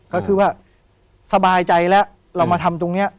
ก็คือว่าสบายใจแล้วเรามาทำตรงนี้